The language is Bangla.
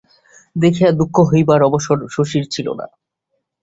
দেখিয়া দুঃখ হইবার অবসর শশীর ছিল না।